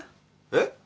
えっ？